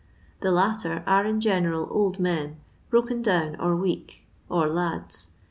The hitter are in general old men, broken down and weak, or bids.